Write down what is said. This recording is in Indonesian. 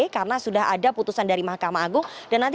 karena sudah ada putusan dari mahkamah agung